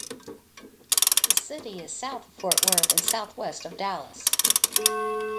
The city is south of Fort Worth and southwest of Dallas.